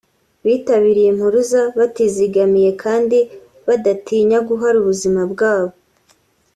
bitabiriye impuruza batizigamye kandi badatinya guhara ubuzima bwabo